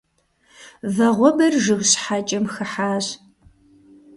Вагъуэбэр жыг щхьэкӀэм хыхьащ.